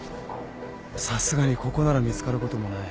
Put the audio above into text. さすがにここなら見つかることもない。